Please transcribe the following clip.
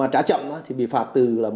trả chậm thì bị phạt từ một trăm năm mươi